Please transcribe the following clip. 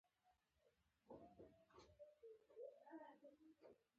ملاتړ ته ضرورت درلود.